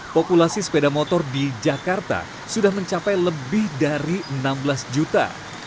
populasi sepeda motor di jakarta sudah mencapai lebih dari enam belas juta